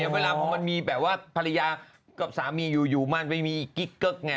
เวลาพอมันมีแบบว่าภรรยากับสามีอยู่มันไปมีกิ๊กเกิ๊กไง